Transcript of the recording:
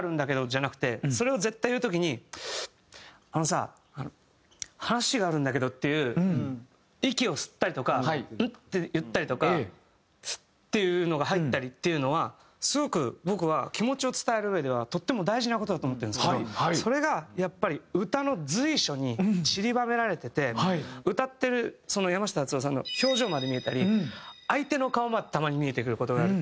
じゃなくてそれを絶対言う時に。っていう息を吸ったりとか「ン」って言ったりとか「っ」っていうのが入ったりっていうのはすごく僕は気持ちを伝えるうえではとっても大事な事だと思ってるんですけどそれがやっぱり歌の随所にちりばめられてて歌ってる山下達郎さんの表情まで見えたり相手の顔までたまに見えてくる事がある。